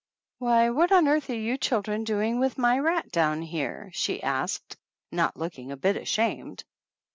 "Why, what on earth are you children doing 193 THE ANNALS OF ANN with my rat down here?" she asked, not looking a bit ashamed.